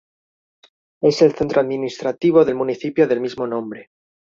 Es el centro administrativo del municipio del mismo nombre.